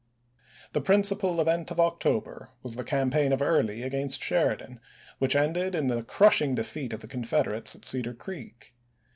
The principal event of October was the cam lse*. paign of Early against Sheridan, which ended in the crushing defeat of the Confederates at Cedar Creek.